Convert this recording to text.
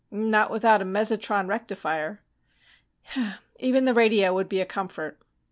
"Not without a mesotron rectifier." "Even the radio would be a comfort."